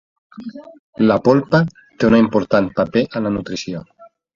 La polpa té un important paper en la nutrició.